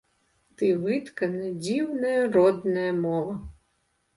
Ты выткана, дзіўная родная мова.